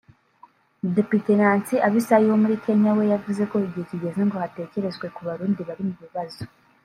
Depite Nancy Abisai wo muri Kenya we yavuze ko “igihe kigeze” ngo hatekerezwe ku Barundi bari mu bibazo